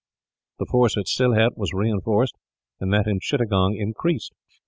The force at Sylhet was reinforced, and that in Chittagong increased.